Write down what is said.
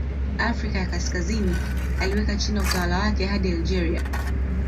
Afrika ya Kaskazini aliweka chini ya utawala wake hadi Algeria.